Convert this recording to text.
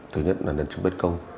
thứ nhất là nền chứng bất công